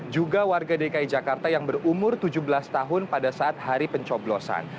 juga warga dki jakarta yang berumur tujuh belas tahun pada saat hari pencoblosan